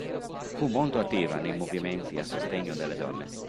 Fu molto attiva nei movimenti a sostegno delle donne.